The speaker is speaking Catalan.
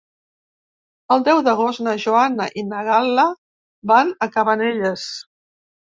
El deu d'agost na Joana i na Gal·la van a Cabanelles.